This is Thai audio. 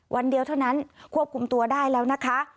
วันเดียวเท่านั้นควบคุมตัวได้แล้วนะคะ